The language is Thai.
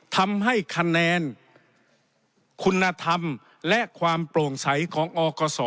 ทำให้คะแนนคุณธรรมและความโปร่งใสของอกศ